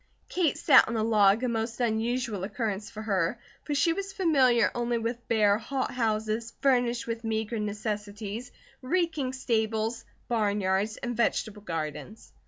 Kate sat on a log, a most unusual occurrence for her, for she was familiar only with bare, hot houses, furnished with meagre necessities; reeking stables, barnyards and vegetable gardens.